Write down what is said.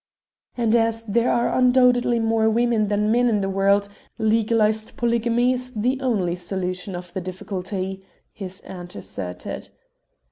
"And as there are undoubtedly more women than men in the world, legalized polygamy is the only solution of the difficulty," his aunt asserted.